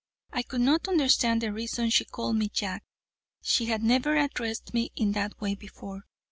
I could not understand the reason she called me Jack. She had never addressed me in that way before.